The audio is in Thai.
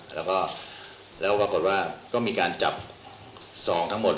แล้วปรากฏว่าก็มีการจับซองทั้งหมด